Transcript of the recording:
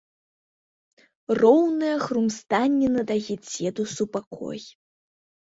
Роўнае хрумстанне надае дзеду супакой.